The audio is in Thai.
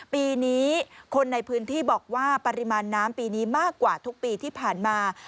ปีนี้คนในพื้นที่บอกว่าปริมาณน้ำปีนี้มากกว่าทุกปีที่ผ่านมา